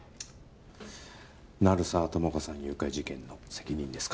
鳴沢友果さん誘拐事件の責任ですか？